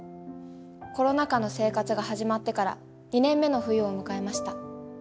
コロナ禍の生活が始まってから２年目の冬を迎えました。